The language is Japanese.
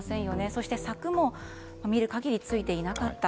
そして柵も見る限りついていなかった。